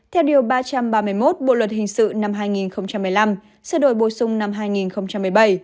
theo điều ba trăm ba mươi một bộ luật hình sự năm hai nghìn một mươi năm sự đổi bổ sung năm hai nghìn một mươi bảy